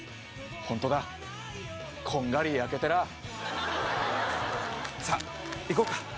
ホントだこんがり焼けてらあさっ行こうかうん